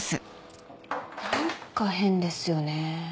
何か変ですよねぇ。